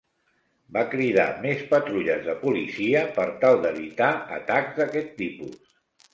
Va cridar més patrulles de policia per tal d'evitar atacs d'aquest tipus.